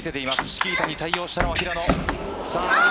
チキータに対応したのは平野。